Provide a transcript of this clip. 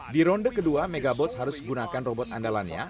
di ronde kedua megabot harus gunakan robot andalannya